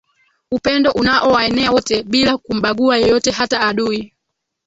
upendo unaowaenea wote bila kumbagua yeyote hata adui